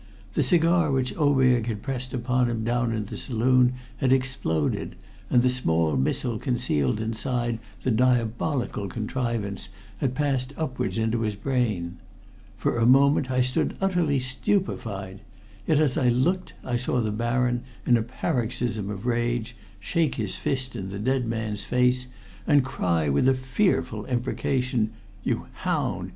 The cigar which Oberg had pressed upon him down in the saloon had exploded, and the small missile concealed inside the diabolical contrivance had passed upwards into his brain. For a moment I stood utterly stupefied, yet as I looked I saw the Baron, in a paroxysm of rage, shake his fist in the dead man's face, and cry with a fearful imprecation: 'You hound!